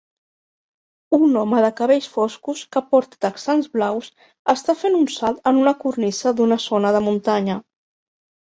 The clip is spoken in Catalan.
Un home de cabells foscos que porta texans blaus està fent un salt en una cornisa d'una zona de muntanya.